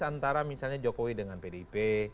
antara misalnya jokowi dengan pdip